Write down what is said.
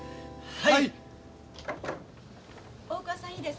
はい。